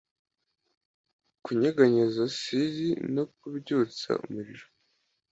kunyeganyeza sili no kubyutsa umuriro